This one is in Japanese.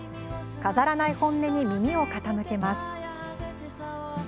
飾らない本音に耳を傾けます。